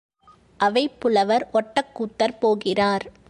அவைப் புலவர் ஒட்டக்கூத்தர் போகிறார்.